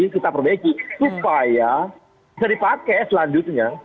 kita perbaiki supaya bisa dipakai selanjutnya